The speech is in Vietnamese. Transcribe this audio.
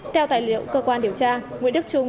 theo tài liệu cơ quan điều tra nguyễn đức trung